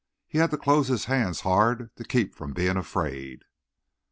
He had to close his hands hard to keep from being afraid.